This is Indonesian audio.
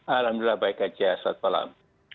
alhamdulillah baik aja selamat malam